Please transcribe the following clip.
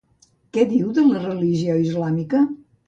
Què diu de la religió islàmica?